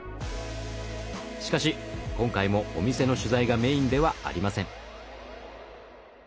しかし今回もお店の取材がメインではありません。